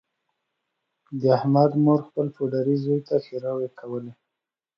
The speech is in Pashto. د احمد مور خپل پوډري زوی ښیرأ کاوه.